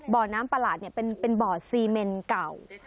บ่อน้ำประหลาดเป็นบ่อซีเมนเก่า